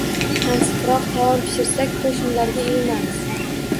Tansiqroq taom pishirsak, qo‘shnilarga ilinamiz.